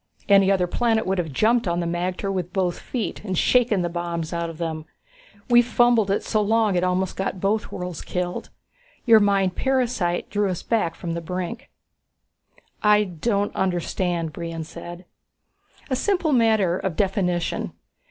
Any other planet would have jumped on the magter with both feet and shaken the bombs out of them. We fumbled it so long it almost got both worlds killed. Your mind parasite drew us back from the brink." "I don't understand," Brion said. "A simple matter of definition.